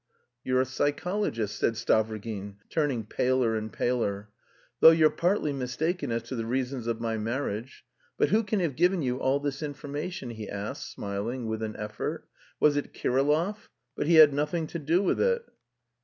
"You're a psychologist," said Stavrogin, turning paler and paler, "though you're partly mistaken as to the reasons of my marriage. But who can have given you all this information?" he asked, smiling, with an effort. "Was it Kirillov? But he had nothing to do with it."